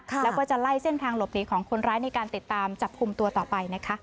แล้วก็จะไล่เส้นทางหลบหนีของคนร้ายในการติดตามจับคุมตัวต่อไปนะคะ